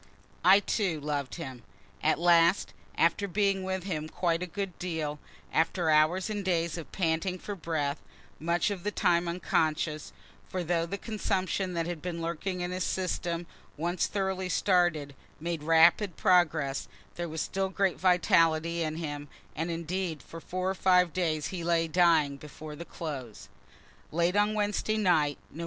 I, too, loved him. At last, after being with him quite a good deal after hours and days of panting for breath, much of the time unconscious, (for though the consumption that had been lurking in his system, once thoroughly started, made rapid progress, there was still great vitality in him, and indeed for four or five days he lay dying, before the close,) late on Wednesday night, Nov.